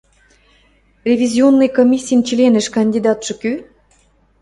ревизионный комиссин членӹш кандидатшы кӱ?